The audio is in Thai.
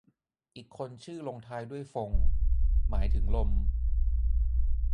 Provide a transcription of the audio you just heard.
อีกคนชื่อลงท้ายด้วยฟง หมายถึงลม